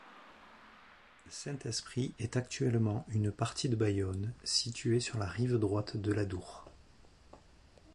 Saint-Esprit est actuellement une partie de Bayonne située sur la rive droite de l'Adour.